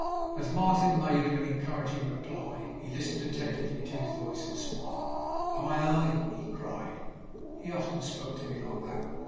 As Martin made him an encouraging reply, he listened attentively to his voice, and smiled. 'Ah, aye!' he cried. 'He often spoke to me like that.